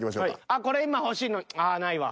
「あっこれ今欲しいのにああないわ。